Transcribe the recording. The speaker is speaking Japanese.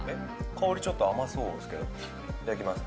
香りちょっと甘そうですけどいただきます